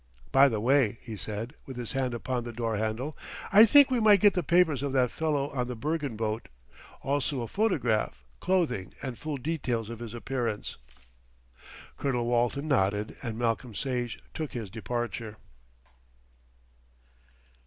By the way," he said, with his hand upon the door handle, "I think we might get the papers of that fellow on the Bergen boat, also a photograph, clothing, and full details of his appearance." Colonel Walton nodded and Malcolm Sage took his departure.